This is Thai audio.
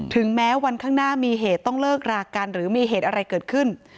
แม้วันข้างหน้ามีเหตุต้องเลิกรากันหรือมีเหตุอะไรเกิดขึ้น